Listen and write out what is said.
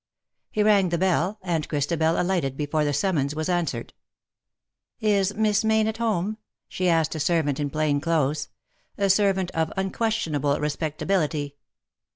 He rang the bell, and Christabel alighted before the summons was answered. " Is Miss Mayne at home ?'' she asked a servant in plain clothes — a servant of unquestion able respectability.